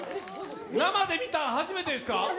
生で見たのは初めてですか？